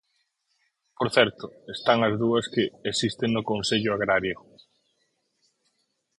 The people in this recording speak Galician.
Por certo, están as dúas que existen no Consello Agrario.